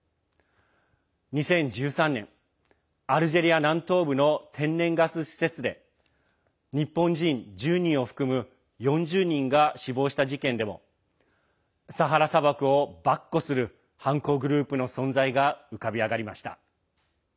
２０１３年アルジェリア南東部の天然ガス施設で日本人１０人を含む４０人が死亡した事件でもサハラ砂漠をばっこする犯行グループの存在が浮かび上がりました。